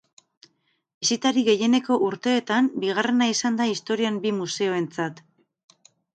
Bisitari gehieneko urteetan bigarrena izan da historian bi museoentzat.